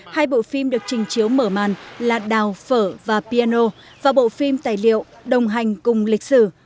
hai bộ phim được trình chiếu mở màn là đào phở và piano và bộ phim tài liệu đồng hành cùng lịch sử